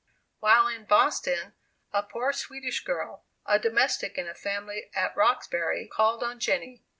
While in Boston, a poor Swedish girl, a domestic in a family at Roxbury, called on Jenny.